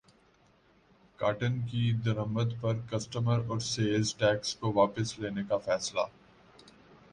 cotton کی درمد پر کسٹمز اور سیلز ٹیکس کو واپس لینے کا فیصلہ